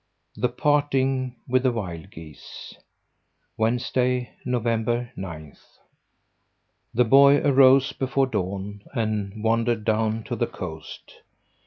THE PARTING WITH THE WILD GEESE Wednesday, November ninth. The boy arose before dawn and wandered down to the coast.